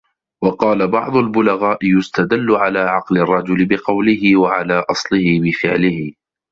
وَقَالَ بَعْضُ الْبُلَغَاءِ يُسْتَدَلُّ عَلَى عَقْلِ الرَّجُلِ بِقَوْلِهِ ، وَعَلَى أَصْلِهِ بِفِعْلِهِ